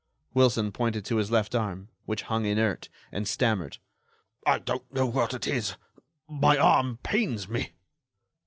Wilson pointed to his left arm, which hung inert, and stammered: "I don't know what it is. My arm pains me."